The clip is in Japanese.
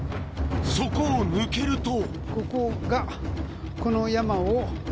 そこを抜けるとここが。